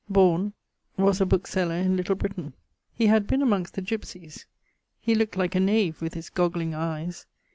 Borne ...; was a bookeseller in Little Britaine. He had been amongst the gipsies. He looked like a knave with his gogling eies.